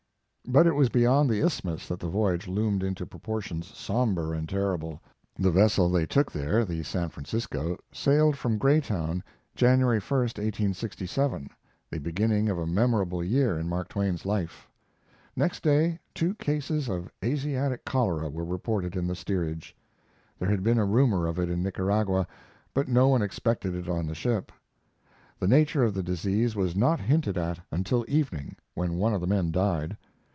But it was beyond the isthmus that the voyage loomed into proportions somber and terrible. The vessel they took there, the San Francisco, sailed from Greytown January 1, 1867, the beginning of a memorable year in Mark Twain's life. Next day two cases of Asiatic cholera were reported in the steerage. There had been a rumor of it in Nicaragua, but no one expected it on the ship. The nature of the disease was not hinted at until evening, when one of the men died.